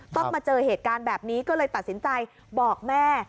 ต้องมาเจอเหตุการณ์แบบนี้ก็เลยตัดสินใจบอกแม่